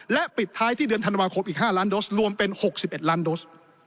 และปิดท้ายที่เดือนธันวาคมอีก๕ล้านโดสรวมเป็น๖๑ล้านโดส